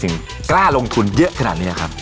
สิ่งที่ยังเกล้าลงทุนเยอะขนาดนี้ครับ